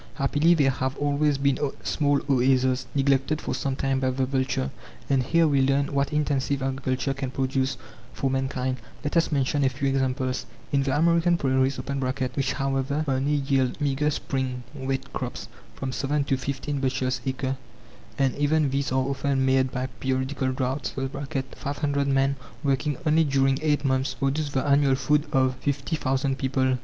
Happily there have always been small oases, neglected for some time by the vulture; and here we learn what intensive agriculture can produce for mankind. Let us mention a few examples. In the American prairies (which, however, only yield meagre spring wheat crops, from 7 to 15 bushels acre, and even these are often marred by periodical droughts), 500 men, working only during eight months, produce the annual food of 50,000 people.